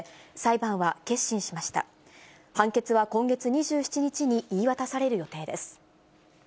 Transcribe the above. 判決は今月２７日に言い渡される予定です。